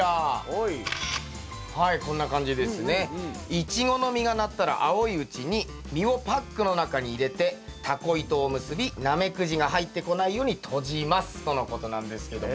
イチゴの実がなったら青いうちに実をパックの中に入れてたこ糸を結びナメクジが入ってこないように閉じますとのことなんですけども。